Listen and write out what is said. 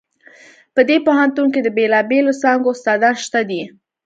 په دې پوهنتون کې د بیلابیلو څانګو استادان شته دي